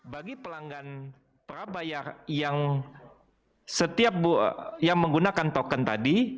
bagi pelanggan perabayar yang menggunakan token tadi